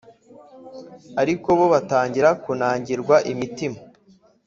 ariko bo batangira kunangirwa imitima